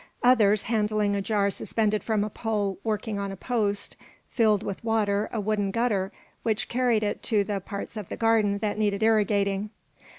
Others, handling a jar suspended from a pole working on a post, filled with water a wooden gutter which carried it to the parts of the garden that needed irrigating.